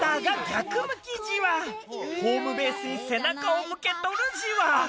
ホームベースに背中を向けとるじわ。